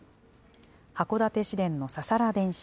函館市電のササラ電車。